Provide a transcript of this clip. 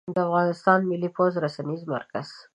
د افغانستان ملى پوځ رسنيز مرکز